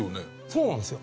そうなんですよ。